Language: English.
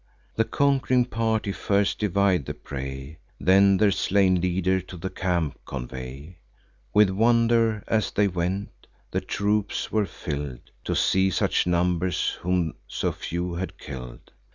The conqu'ring party first divide the prey, Then their slain leader to the camp convey. With wonder, as they went, the troops were fill'd, To see such numbers whom so few had kill'd.